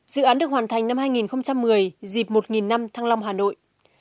dự án được hoàn thành năm hai nghìn một mươi dịp một năm thăng long hà nội